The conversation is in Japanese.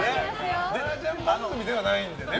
マージャン番組ではないんでね。